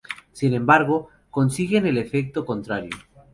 Sin embargo, consiguen el efecto contrario.